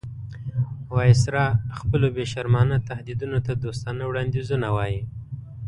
وایسرا خپلو بې شرمانه تهدیدونو ته دوستانه وړاندیزونه وایي.